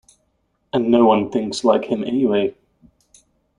And no one else thinks like him anyway.